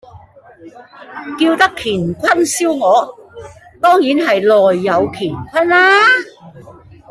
叫得乾坤燒鵝，當然係內有乾坤啦